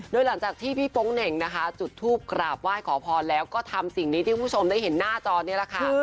โดยหลังจากที่พี่โป๊งเหน่งนะคะจุดทูปกราบไหว้ขอพรแล้วก็ทำสิ่งนี้ที่คุณผู้ชมได้เห็นหน้าจอนี่แหละค่ะ